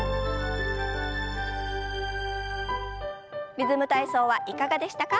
「リズム体操」はいかがでしたか？